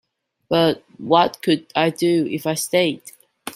But what could I do if I stayed!